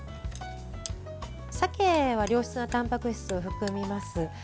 鮭は良質なたんぱく質を含みます。